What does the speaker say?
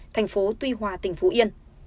thành phố tuy hòa tỉnh phú yên